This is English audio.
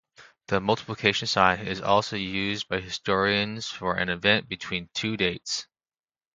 The multiplication sign is also used by historians for an event between two dates.